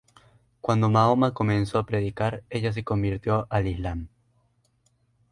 Cuando Mahoma comenzó a predicar, ella se convirtió al Islam.